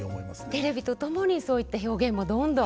テレビと共にそういった表現もどんどん。